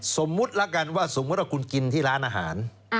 สมมุติแล้วกันว่าสมมุติว่าคุณกินที่ร้านอาหาร